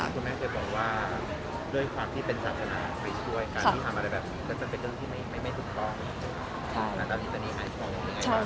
มันจะเป็นเรื่องที่ไม่ถูกต้อง